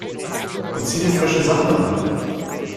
Und zieh dir frische Sachen an!